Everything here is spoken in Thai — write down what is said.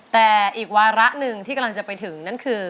แต่อีกวาระหนึ่งที่กำลังจะไปถึงนั่นคือ